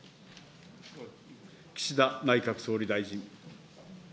岸田内閣総理大臣。